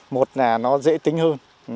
một là nó dễ tính hơn